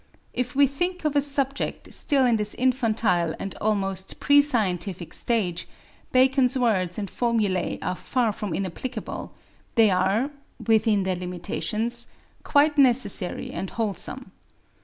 If we think of a subject still in this infantile and almost pre scientific stage, Bacon's words and formulæ are far from inapplicable; they are, within their limitations, quite necessary and wholesome.